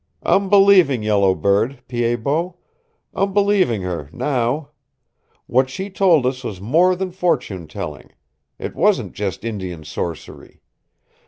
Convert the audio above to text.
"I'm believing Yellow Bird, Pied Bot. I'm believing her now. What she told us was more than fortune telling. It wasn't just Indian sorcery.